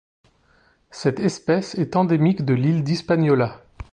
Cette espèce est endémique de l'île d'Hispaniola.